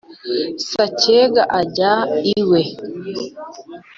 Sacyega ajya iwe